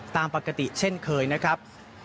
ตามปกติเช่นเคยนะครับ